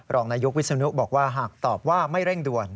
รองนายกวิศนุบอกว่าหากตอบว่าไม่เร่งด่วน